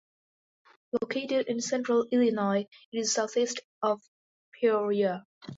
Located in central Illinois, it is southwest of Peoria.